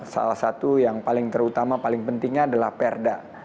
salah satu yang paling terutama paling pentingnya adalah perda